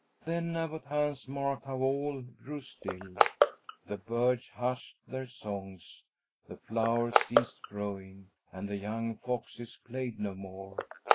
Then Abbot Hans marked how all grew still; the birds hushed their songs, the flowers ceased growing, and the young foxes played no more.